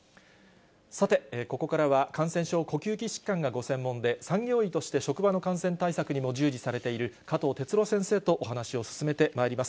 さて、ここからは感染症、呼吸器疾患がご専門で、産業医として職場の感染対策にも従事されている加藤哲朗先生とお話を進めてまいります。